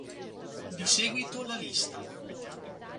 Di seguito la lista.